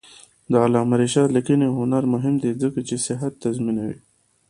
د علامه رشاد لیکنی هنر مهم دی ځکه چې صحت تضمینوي.